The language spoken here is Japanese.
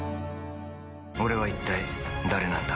俺は一体誰なんだ？